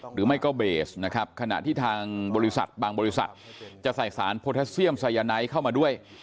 หรือไม่ก็เบสนะครับขณะที่ทางบริษัทบางบริษัทจะใส่สารโพแทสเซียมไซยาไนท์เข้ามาด้วย